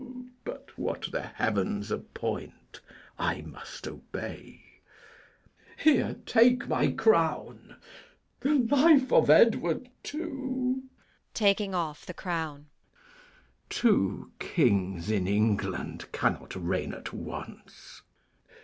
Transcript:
But that the heavens appoint I must obey. Here, take my crown; the life of Edward too: [Taking off the crown. Two kings in England cannot reign at once.